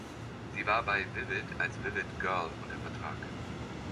Sie war bei Vivid als Vivid Girl unter Vertrag.